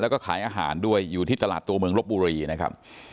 แล้วก็ขายอาหารด้วยอยู่ที่ตลาดตัวเมืองลบบุรีนะครับ